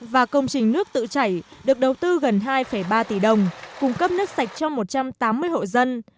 và công trình nước tự chảy được đầu tư gần hai ba tỷ đồng cung cấp nước sạch cho một trăm tám mươi hộ dân